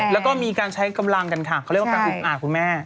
แล้วก็มีการใช้กำลังกันค่ะเขาเรียกว่าการอุกอาจคุณแม่